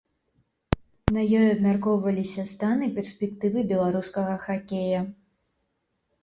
На ёй абмяркоўваліся стан і перспектывы беларускага хакея.